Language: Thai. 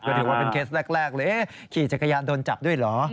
หรือเอ๊ะขี่จักรยานโดนจับด้วยเหรอ